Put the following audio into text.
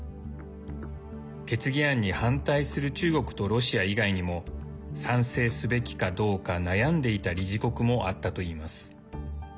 決議案に反対する中国とロシア以外にも賛成すべきかどうか悩んでいた理事国もあったといいます。